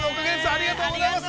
ありがとうございます。